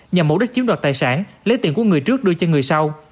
nhằm mẫu đất chiếm đoạt tài sản lấy tiền của người trước đưa cho người sau